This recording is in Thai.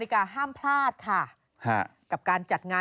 ที่เค้าบอกว่าอะไรนะ